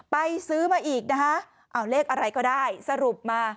ซื้อมาอีกนะคะเอาเลขอะไรก็ได้สรุปมา